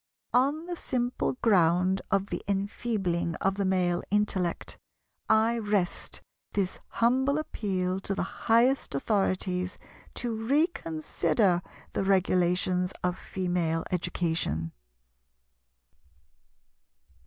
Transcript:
On the simple ground of the enfeebling of the male intellect, I rest this humble appeal to the highest Authorities to reconsider the regulations of Female education.